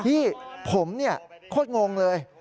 พี่ผมเนี่ยโคตรงงเลย